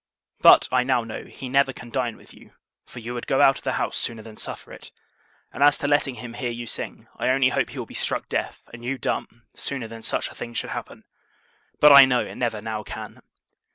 But, I now know, he never can dine with you; for, you would go out of the house sooner than suffer it: and, as to letting him hear you sing, I only hope he will be struck deaf, and you dumb, sooner than such a thing should happen! But, I know, it never now can.